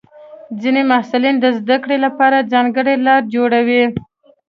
ځینې محصلین د زده کړې لپاره ځانګړې لارې جوړوي.